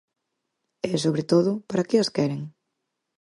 E, sobre todo, para que as queren?